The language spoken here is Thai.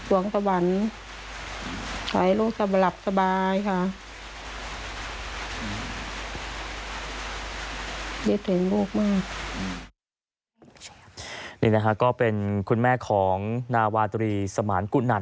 วันนี้ก็เป็นคุณแม่ของนาวาตรีสมานกุนั่น